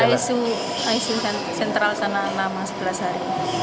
di aisu sentral sana lama sebelas hari